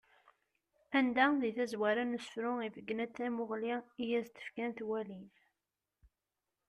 Anda di tazwara n usefru ibeggen-d tamuɣli i d-as-fkan twalin.